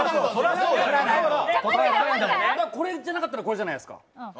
これいってなかったらこれじゃないですか。